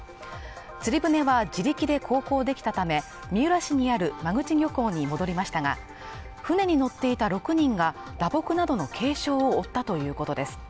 釣り船は自力で航行できたため、三浦市にある間口漁港に戻りましたが船に乗っていた６人が打撲などの軽傷を負ったということです。